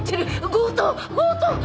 強盗強盗！